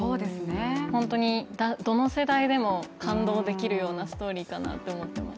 本当にどの世代でも感動できるようなストーリーだなと思っています。